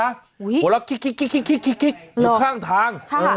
หัวเล้วกิ๊กกิ๊กยังข้างทาง